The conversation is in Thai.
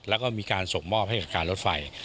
แล้วก็มีการส่งมอบให้กับการรถไฟ